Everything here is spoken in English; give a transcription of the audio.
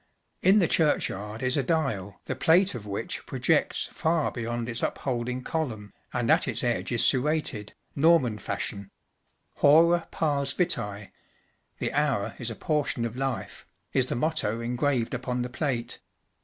In the churchyard is a dial, the plate of which projects far beyond its up¬ holding column, and at its edge is serrated, Norman fashion ; “ Hora Pars Vitae " (The Hour is a portion of Life) is the motto engraved upon the plate.